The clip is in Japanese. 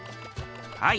はい。